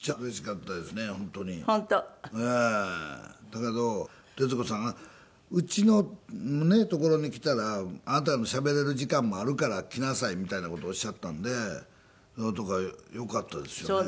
だけど徹子さんうちのねっ所に来たらあなたのしゃべれる時間もあるから来なさいみたいな事をおっしゃったんで。とかよかったですよね。